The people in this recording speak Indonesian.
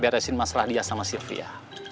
beresin masalah dia sama sylvia